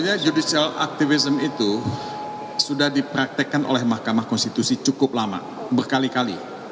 artinya judicial activism itu sudah dipraktekkan oleh mahkamah konstitusi cukup lama berkali kali